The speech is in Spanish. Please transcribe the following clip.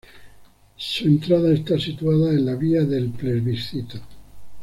Su entrada está situada en la "Via del Plebiscito".